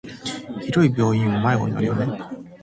広い病院は迷子になるよね。